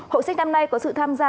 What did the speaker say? hội sách năm nay có sự tham gia